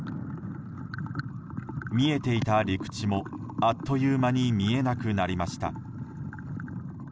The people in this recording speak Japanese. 見えていた陸地もあっという間に見えなくなりました。